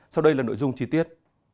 sau đây là nội dung chi tiết